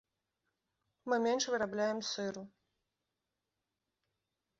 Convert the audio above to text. Мы менш вырабляем сыру.